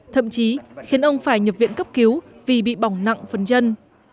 thậm chí khiến ông phải nhập viện cấp cứu vì bị bỏng nặng phần chân